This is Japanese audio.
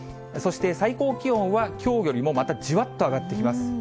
そして最高気温は、きょうよりもまたじわっと上がってきます。